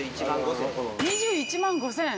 ◆２１万５０００円。